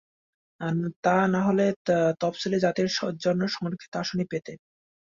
তা নাহলে তফসিলি জাতির জন্য সংরক্ষিত আসনই পেতে।